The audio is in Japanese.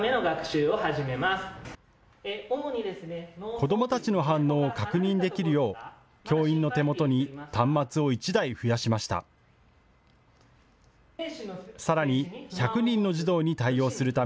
子どもたちの反応を確認できるよう教員の手元に端末を１台増やしました。